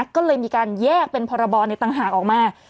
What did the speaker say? ก็เลยมีการแยกเป็นพรบในต่างหากออกมา